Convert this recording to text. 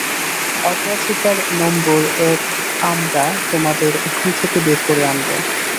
অগ্রাধিকার নম্বর এক আমরা তোমাদের ওখান থেকে বের করে আনব।